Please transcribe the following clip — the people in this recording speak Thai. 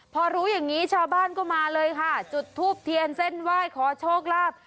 พอรู้อย่างนี้ชาวบ้านก็มาเลยค่ะจุดทูบเทียนเส้นไหว้ขอโชคลาภ